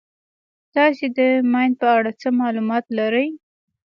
تاسې د ماین په اړه څه معلومات لرئ.